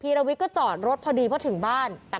เพราะถูกทำร้ายเหมือนการบาดเจ็บเนื้อตัวมีแผลถลอก